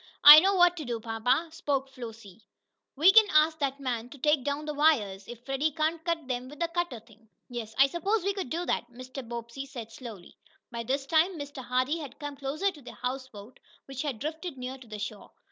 "I know what to do, papa," spoke Flossie. "We can ask that man to take down the wires, if Freddie can't cut them with the cutter thing." "Yes, I suppose we could do that," Mr. Bobbsey said, slowly. By this time Mr. Hardee had come closer to the houseboat, which had drifted near to the shore.